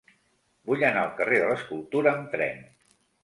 Vull anar al carrer de l'Escultura amb tren.